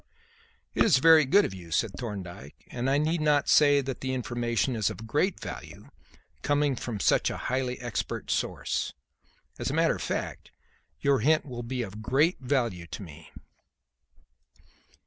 "It is very good of you," said Thorndyke, "and I need not say that the information is of great value, coming from such a highly expert source. As a matter of fact, your hint will be of great value to me."